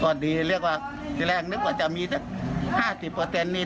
ก็ดีเรียกว่าที่แรกนึกว่าจะมี๕๐นี่ได้ถึง๙๙เลย